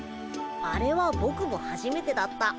あれはボクもはじめてだった。